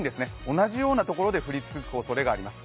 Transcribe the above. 同じような所で降り続くおそれがあります。